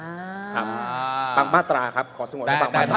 ทำบางมาตราครับขอสมมติให้บางมาตรา